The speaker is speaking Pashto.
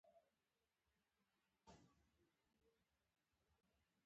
احمد په ازموینه کې لومړی مقام ترلاسه کړ